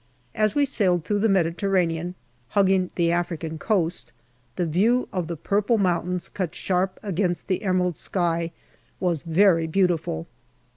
As we sailed through the Mediterranean, hugging the African coast, the view of the purple mountains cut sharp against the emerald sky was very beautiful.